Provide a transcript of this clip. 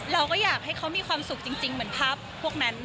เราก็อยากให้เขามีความสุขจริงเหมือนภาพพวกนั้น